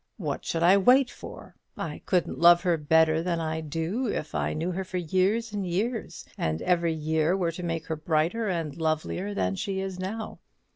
"What should I wait for? I couldn't love her better than I do if I knew her for years and years, and every year were to make her brighter and lovelier than she is now.